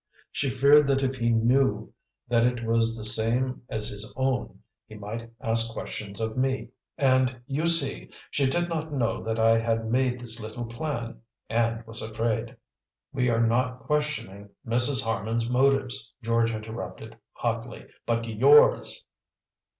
She feared that if he knew that it was the same as his own he might ask questions of me, and, you see, she did not know that I had made this little plan, and was afraid " "We are not questioning Mrs. Harman's motives," George interrupted hotly, "but YOURS!"